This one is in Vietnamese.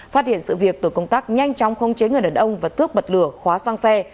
phát hiện sự việc tổ công tác nhanh chóng không chế người đàn ông và thước bật lửa khóa sang xe